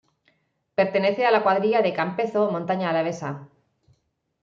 Pertenece a la Cuadrilla de Campezo-Montaña Alavesa.